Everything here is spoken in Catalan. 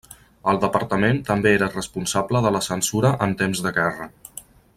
El departament també era responsable de la censura en temps de guerra.